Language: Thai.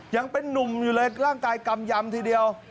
ยังเป็นนุ่มอยู่เลยร่างกายกำยำทีเดียว